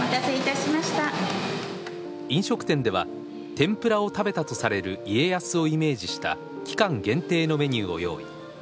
飲食店では、天ぷらを食べたとされる家康をイメージした期間限定のメニューを用意。